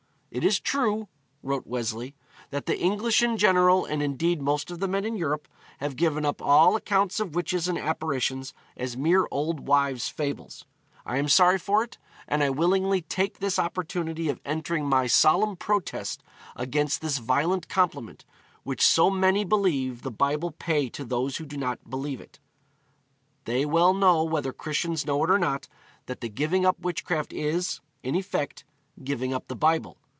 'It is true,' wrote Wesley, 'that the English in general, and indeed most of the men in Europe, have given up all accounts of witches and apparitions as mere old wives' fables. I am sorry for it, and I willingly take this opportunity of entering my solemn protest against this violent compliment which so many that believe the Bible pay to those who do not believe it.... They well know, whether Christians know it or not, that the giving up witchcraft is, in effect, giving up the Bible.